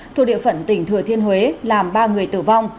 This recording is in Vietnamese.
thuộc địa phận tỉnh thừa thiên huế làm ba người chạm